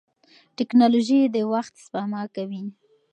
ټکنالوژي د وخت سپما کوي.